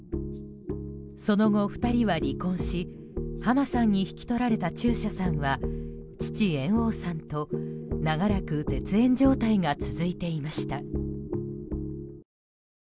その後、２人は離婚し浜さんに引き取られた中車さんは父・猿翁さんと長らく絶縁状態が続いていました。